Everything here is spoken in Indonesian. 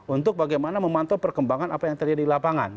untuk bagaimana memantau perkembangan apa yang terjadi di lapangan